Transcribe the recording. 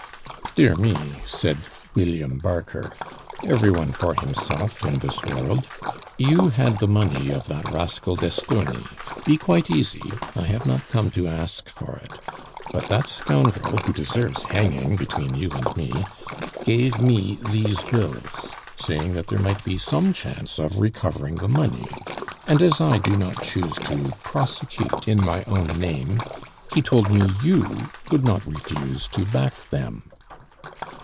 "Dear me," said William Barker, "every one for himself in this world. You had the money of that rascal d'Estourny. Be quite easy, I have not come to ask for it; but that scoundrel, who deserves hanging, between you and me, gave me these bills, saying that there might be some chance of recovering the money; and as I do not choose to prosecute in my own name, he told me you would not refuse to back them."